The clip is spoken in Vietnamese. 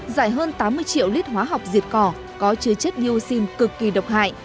giải hơn tám mươi triệu lít hóa học diệt cỏ có chứa chất niu xin cực kỳ độc hại